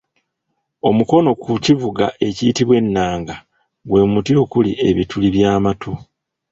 Omukono ku kivuga ekiyitibwa ennanga gwe muti okuli ebituli by’amatu